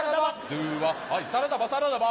ドゥワサラダバサラダバ